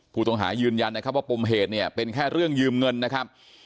ผู้ต้องหายืนยันนะครับว่าปมเหตุเนี่ยเป็นแค่เรื่องยืมเงินนะครับ